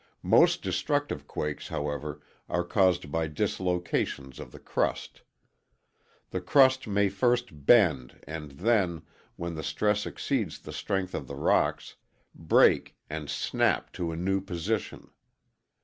Most destructive quakes, however, are caused by dislocations of the crust. The crust may first bend and then, when the stress exceeds the strength of the rocks, break and ŌĆ£snapŌĆØ to a new position.